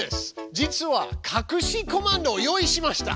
実はかくしコマンドを用意しました。